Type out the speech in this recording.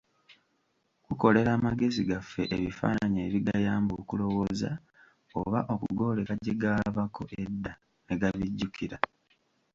Kukolera amagezi gaffe ebifaananyi ebigayamba okulowooza, oba okugooleka bye gaalabako edda ne gabijjukira.